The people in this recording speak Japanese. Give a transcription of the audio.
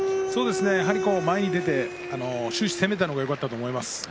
やはり前に出て終始攻めたのがよかったと思います。